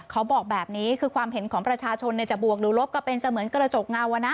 เขาบอกแบบนี้คือความเห็นของประชาชนจะบวกหรือลบก็เป็นเสมือนกระจกเงานะ